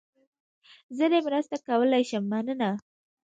زه دې مرسته کولای شم، مننه.